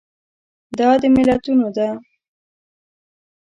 دا د ملتونو ده.